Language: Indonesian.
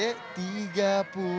itu sih apa